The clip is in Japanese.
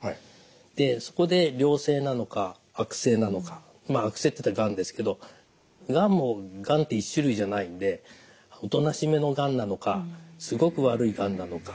でそこで良性なのか悪性なのか悪性っていったらがんですけどがんって１種類じゃないんでおとなしめのがんなのかすごく悪いがんなのか。